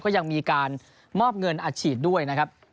ยังมีการมอบเงินอัดฉีดด้วยนะครับ